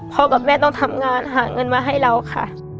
กับแม่ต้องทำงานหาเงินมาให้เราค่ะ